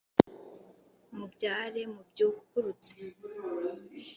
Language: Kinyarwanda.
Mubyare mubyukurutse